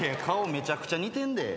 めちゃくちゃ似てんで。